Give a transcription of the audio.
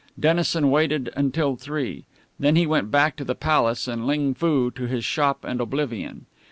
Dennison waited until three; then he went back to the Palace, and Ling Foo to his shop and oblivion.